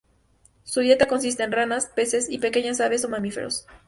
Su dieta consiste en ranas, peces y pequeñas aves o mamíferos.